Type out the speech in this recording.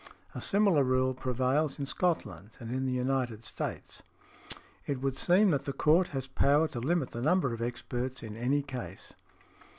A similar rule prevails in Scotland and in the United States . It would seem that the court has power to limit the number of experts in any case .